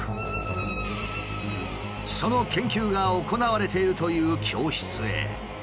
その研究が行われているという教室へ。